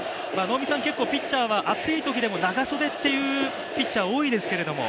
結構ピッチャーは暑いときでも長袖っていうピッチャーが多いですけど。